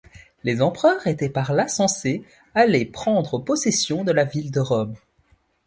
Les empereurs étaient par-là censés aller prendre possession de la ville de Rome.